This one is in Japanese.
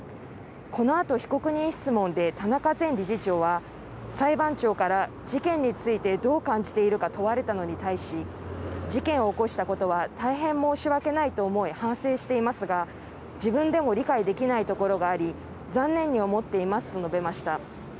このあと被告人質問で田中前理事長は裁判長から事件についてどう感じているか問われたのに対し事件を起こしたことは大変申し訳ないと思い反省していますが自分でも理解できないところがあり残念に思っていますと述べました。